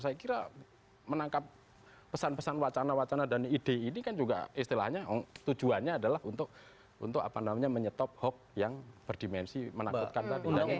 saya kira menangkap pesan pesan wacana wacana dan ide ini kan juga istilahnya tujuannya adalah untuk menyetop hoax yang berdimensi menakutkan tadi